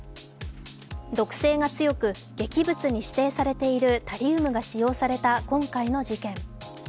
毒性が強く、劇物に指定されているタリウムが使用された今回の事件。